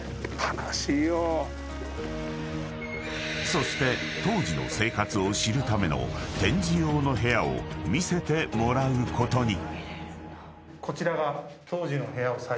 ［そして当時の生活を知るための展示用の部屋を見せてもらうことに］